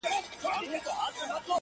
فکرونه ورو ورو پراخېږي ډېر-